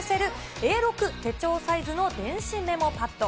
Ａ６手帳サイズの電子メモパッド。